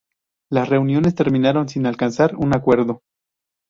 Las reuniones terminaron sin alcanzar un acuerdo.